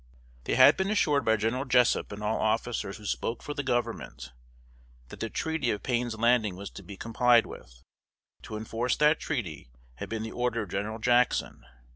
They had been assured by General Jessup and all officers who spoke for the Government, that the treaty of Payne's Landing was to be complied with. To enforce that treaty had been the order of General Jackson.